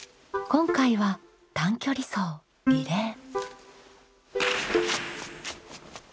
今回は「短距離走・リレー」。